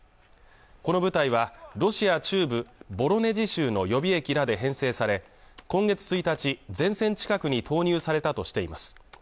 この部隊はロシア中部ボロネジ州の予備役等で編成され今月１日前線近くに投入されたとしています